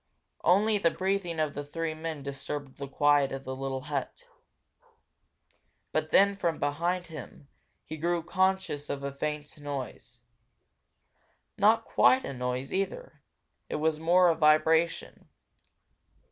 Only the breathing of the three men disturbed the quiet of the little hut. But then, from behind him, he grew conscious of a faint noise. Not quite a noise, either, it was more a vibration.